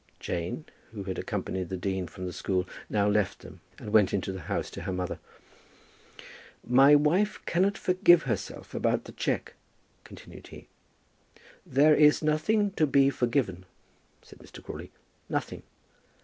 Jane, who had accompanied the dean from the school, now left them, and went into the house to her mother. "My wife cannot forgive herself about the cheque," continued he. "There is nothing to be forgiven," said Mr. Crawley; "nothing."